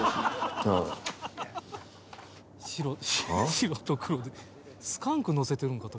白と黒でスカンク乗せてるんかと。